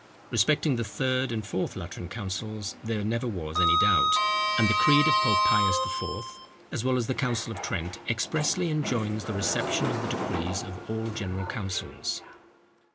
Respecting the third and fourth Lateran councils there never was any doubt; and the creed of Pope Pius IV., as well as the council of Trent, expressly enjoins the reception of the decrees of all general councils.